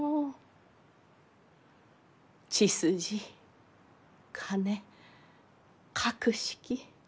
血筋金格式。